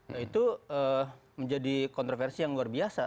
nah itu menjadi kontroversi yang luar biasa